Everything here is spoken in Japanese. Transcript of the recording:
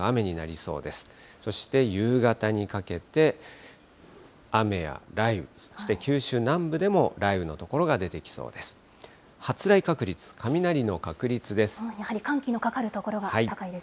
そして夕方にかけて、雨や雷雨、そして九州南部でも雷雨の所が出てきそうです。